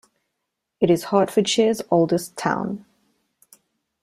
It is Hertfordshire's oldest town.